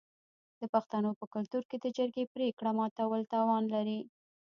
د پښتنو په کلتور کې د جرګې پریکړه ماتول تاوان لري.